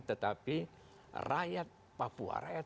tetapi rakyat papua